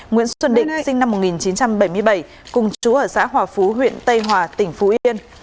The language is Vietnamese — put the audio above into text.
nguyễn xuân định sinh năm một nghìn chín trăm bảy mươi bảy cùng chú ở xã hòa phú huyện tây hòa tỉnh phú yên